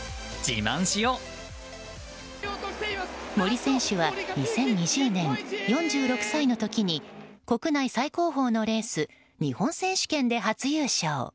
森選手は２０２０年４６歳の時に国内最高峰のレース日本選手権で初優勝。